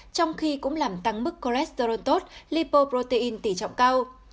trong khi cũng làm tăng mức cholesterol tốt lipoprotein tỉ trọng cao